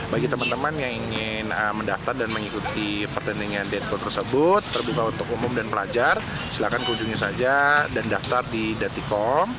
bagi teman teman yang ingin mendaftar dan mengikuti pertandingan deadco tersebut terbuka untuk umum dan pelajar silakan kunjungi saja dan daftar di datikom